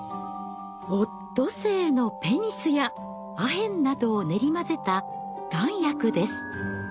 オットセイのペニスやアヘンなどを練り混ぜた丸薬です。